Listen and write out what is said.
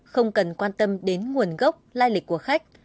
không cần quan tâm đến nguồn gốc lai lịch của khách